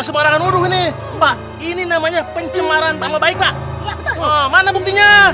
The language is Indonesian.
bersebarangan wudhu nih pak ini namanya pencemaran pama baik pak mana buktinya